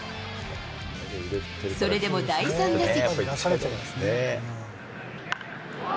それでも第３打席。